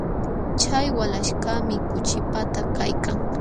Chay walaśhkaqmi kuchipata kaykan.